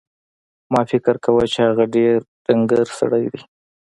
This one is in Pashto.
ما فکر کاوه چې هغه ډېر ډنګر سړی دی.